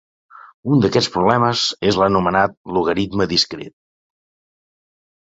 Un d'aquests problemes és l'anomenat logaritme discret.